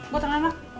gue tengah nang